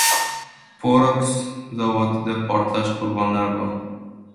Porox zavodida portlash: Qurbonlar bor